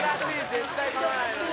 絶対かまないのに。